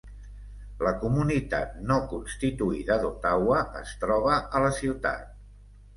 La comunitat no constituïda d'Ottawa es troba a la ciutat.